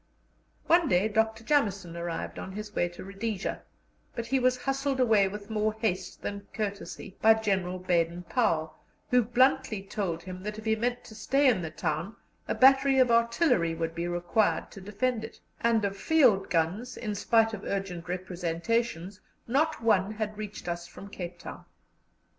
One day Dr. Jameson arrived on his way to Rhodesia, but he was hustled away with more haste than courtesy by General Baden Powell, who bluntly told him that if he meant to stay in the town a battery of artillery would be required to defend it; and of field guns, in spite of urgent representations, not one had reached us from Cape Town.